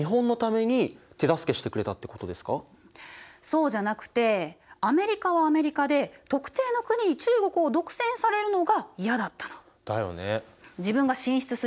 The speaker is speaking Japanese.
そうじゃなくてアメリカはアメリカで特定の国に中国を独占されるのが嫌だったの。だよね。